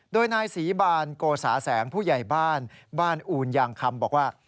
โดยนายศรีบานโกสาแสงผู้ใหญ่บ้านบ้านอูนยางคำบอกว่า